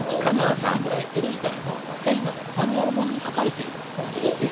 実際にこれ江戸時代のこの手品のマニュアル本に書かれているものでして。